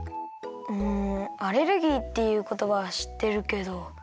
うんアレルギーっていうことばはしってるけど。